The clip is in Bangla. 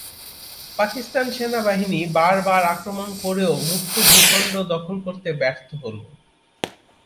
পাকিস্তান সেনাবাহিনী বারবার আক্রমণ করেও মুক্ত ভূখণ্ড দখল করতে ব্যর্থ হলো।